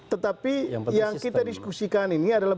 tetapi yang kita diskusikan ini adalah